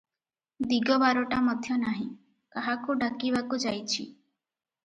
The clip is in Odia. ଦିଗବାରଟା ମଧ୍ୟ ନାହିଁ, କାହାକୁ ଡାକିବାକୁ ଯାଇଛି ।